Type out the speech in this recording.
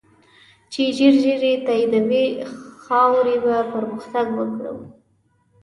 چی ژر ژر یی تایدوی ، خاوری به پرمختګ وکړو